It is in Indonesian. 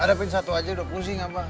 hadapin satu aja udah pusing apa